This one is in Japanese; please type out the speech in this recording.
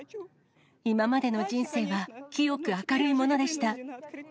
今までの人生は清く明るいものでした。